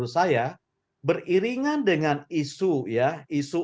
saya beriringan dengan isu